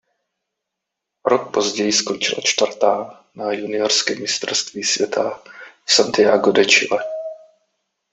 O rok později skončila čtvrtá na juniorském mistrovství světa v Santiago de Chile.